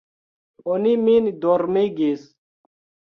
Oni min dormigis.